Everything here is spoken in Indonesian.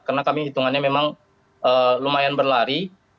karena kami hitungannya memang lumayan berlari